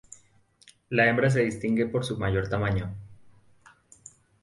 La hembra se distingue por su mayor tamaño.